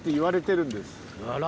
あら！